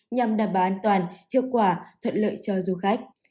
nhằm đảm bảo an toàn hiệu quả thuận lợi cho du khách